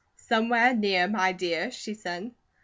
"Somewhere near, my dear," she said.